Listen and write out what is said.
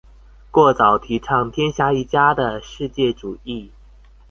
過早提倡天下一家的世界主義